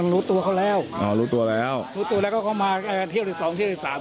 รู้ตัวเขาแล้วอ่ารู้ตัวแล้วรู้ตัวแล้วก็เขามาเที่ยวที่สองเที่ยวที่สาม